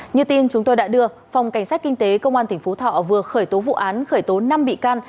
như tin chúng tôi đã đưa phòng cảnh sát kinh tế công an tỉnh phú thọ vừa khởi tố vụ án khởi tố năm bị can